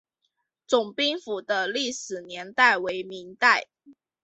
总兵府的历史年代为明代。